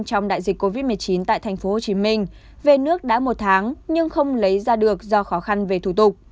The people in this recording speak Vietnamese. trong đại dịch covid một mươi chín tại tp hcm về nước đã một tháng nhưng không lấy ra được do khó khăn về thủ tục